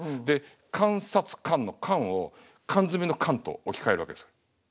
で監察官の「監」を缶詰の「缶」と置き換えるわけですよ。